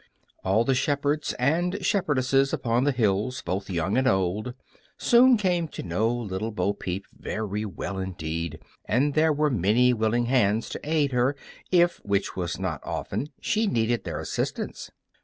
All the shepherds and shepherdesses upon the hills, both young and old, soon came to know Little Bo Peep very well indeed, and there were many willing hands to aid her if (which was not often) she needed their assistance.